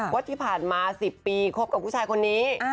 ว่าที่ผ่านมา๑๐ปีคบกับผู้ชายคนนี้